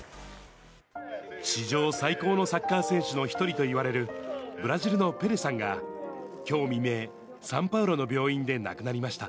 史上最高のサッカー選手の１人といわれる、ブラジルのペレさんが、きょう未明、サンパウロの病院で亡くなりました。